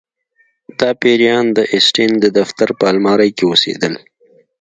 دا پیریان د اسټین د دفتر په المارۍ کې اوسیدل